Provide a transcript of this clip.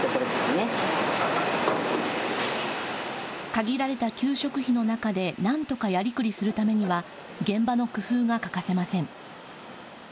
限られた給食費の中でなんとかやりくりするためには、現場の工夫が欠かせません。